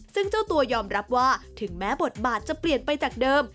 ซึ่งเจ้าตัวยอมรับว่าถึงแม้บทบาทจะเปลี่ยนไปจากเดิม